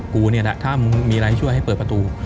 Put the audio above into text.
กูนี่แหละถ้ามึงมีอะไรช่วยให้เปิดประตู